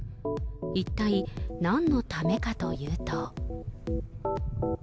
一体なんのためかというと。